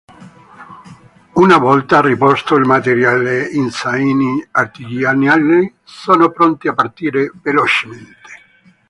Una volta riposto il materiale in zaini artigianali, sono pronti a partire velocemente.